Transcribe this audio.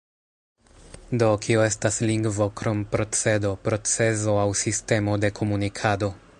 Do, kio estas lingvo krom procedo, procezo aŭ sistemo de komunikado?